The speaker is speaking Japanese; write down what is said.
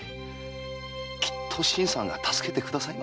きっと新さんが助けてくださいますよ。